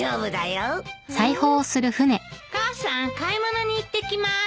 母さん買い物に行ってきます。